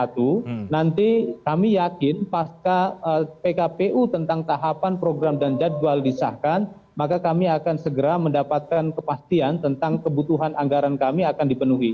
nanti kami yakin pas pkpu tentang tahapan program dan jadwal disahkan maka kami akan segera mendapatkan kepastian tentang kebutuhan anggaran kami akan dipenuhi